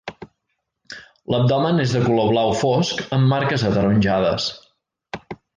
L'abdomen és de color blau fosc amb marques ataronjades.